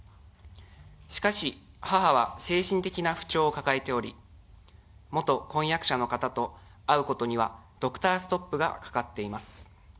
しかし、母は精神的な不調を抱えており、元婚約者の方と会うことにはドクターストップがかかっています。